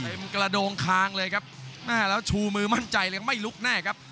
กระโดงคางเลยครับแม่แล้วชูมือมั่นใจเลยไม่ลุกแน่ครับ